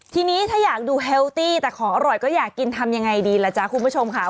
ทีนี้ถ้าอยากดูแฮลตี้แต่ของอร่อยก็อยากกินทำยังไงดีล่ะจ๊ะคุณผู้ชมค่ะ